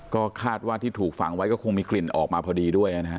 ก็คาดว่าที่ถูกฝังไว้ก็คงมีกลิ่นออกมาพอดีด้วยนะฮะ